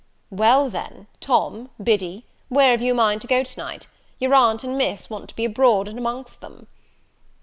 "Well, then, Tom, Biddy, where have you a mind to go tonight? your aunt and Miss want to be abroad and amongst them."